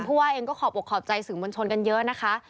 ว่าเองก็ขอบอกขอบใจสื่อมวลชนกันเยอะนะคะ